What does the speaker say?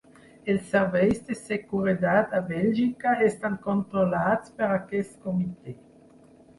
Els serveis de seguretat a Bèlgica estan controlats per aquest comitè.